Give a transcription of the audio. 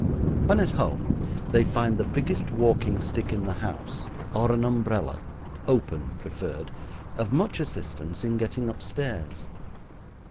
When at home they find the biggest walking stick in the house or an umbrella open preferred of much assistance in getting upstairs.